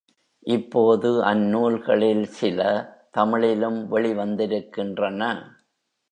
இப்போது அந் நூல்களில் சில தமிழிலும் வெளிவந்திருக்கின்றன.